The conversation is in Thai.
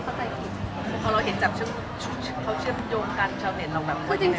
พอเราเห็นเขาเชื่อมโยนกันเช่าเนินเรามันเป็นไง